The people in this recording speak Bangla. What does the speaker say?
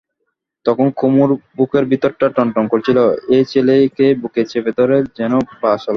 তখন কুমুর বুকের ভিতরটা টনটন করছিল– এই ছেলেকে বুকে চেপে ধরে যেন বাঁচল।